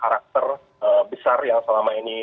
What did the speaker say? karakter besar yang selama ini